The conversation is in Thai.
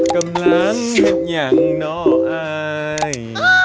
กำลังหยุดอย่างหน่ออาย